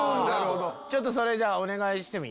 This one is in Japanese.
ちょっとそれじゃあお願いしてもいい？